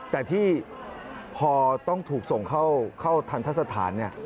แต่ที่พอต้องถูกส่งเข้าทันทัศนฐาน